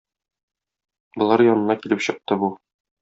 Болар янына килеп чыкты бу.